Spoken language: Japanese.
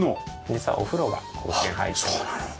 実はお風呂が奥に入ってます。